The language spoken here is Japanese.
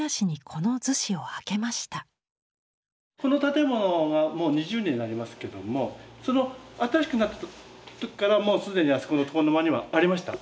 この建物がもう２０年になりますけどもその新しくなった時からもう既にあそこの床の間にはありました。